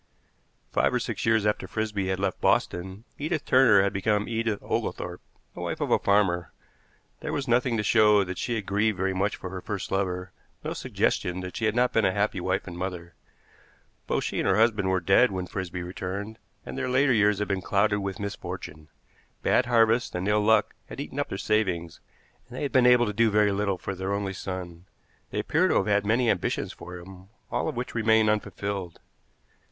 Five or six years after Frisby had left Boston, Edith Turner had become Edith Oglethorpe, the wife of a farmer. There was nothing to show that she had grieved very much for her first lover, no suggestion that she had not been a happy wife and mother. Both she and her husband were dead when Frisby returned, and their later years had been clouded with misfortune. Bad harvests and ill luck had eaten up their savings, and they had been able to do very little for their only son. They appear to have had many ambitions for him, all of which remained unfulfilled.